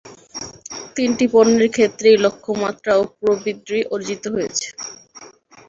তিনটি পণ্যের ক্ষেত্রেই লক্ষ্যমাত্রা ও প্রবৃদ্ধি অর্জিত হয়েছে।